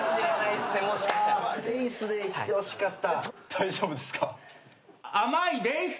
大丈夫ですか？